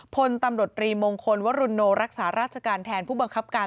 พลตำรวจรีมงคลวรุโนรักษาราชการแทนผู้บังคับการ